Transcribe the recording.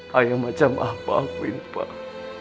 kayak macam apa aku impar